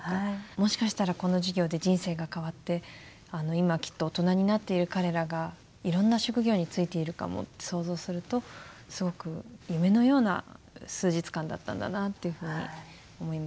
もしかしたらこの授業で人生が変わって今きっと大人になっている彼らがいろんな職業に就いているかもと想像するとすごく夢のような数日間だったんだなっていうふうに思いました。